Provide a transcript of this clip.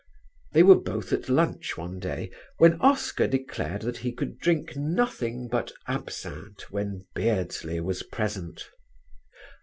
They were both at lunch one day when Oscar declared that he could drink nothing but absinthe when Beardsley was present.